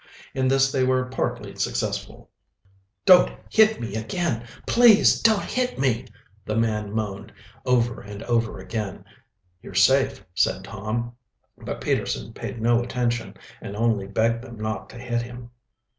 In this they were partly successful. "Don't hit me again! Please don't hit me!" the man moaned, over and over again. "You're safe," said Tom. But Peterson paid no attention, and only begged them not to hit him.